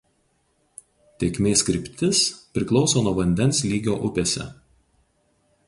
Tėkmės kryptis priklauso nuo vandens lygio upėse.